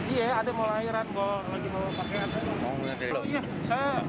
iya ada mulai airan lagi mau pakai airan